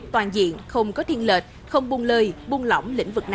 toàn diện không có thiên lệch không buông lời buông lỏng